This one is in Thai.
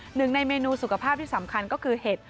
หนึ่งในเมนูสุขภาพที่สำคัญก็คือเห็ด